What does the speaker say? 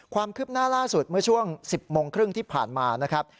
ความคืบหน้าล่าสุดเมื่อช่วง๑๐โมงครึ่งที่ผ่านมานะครับ